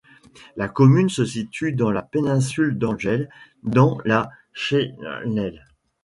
La commune se situe dans la péninsule d'Angeln, dans la Schlei.